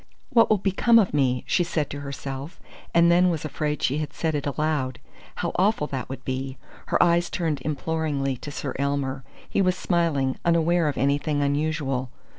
"What will become of me?" she said to herself, and then was afraid she had said it aloud. How awful that would be! Her eyes turned imploringly to Sir Elmer. He was smiling, unaware of anything unusual.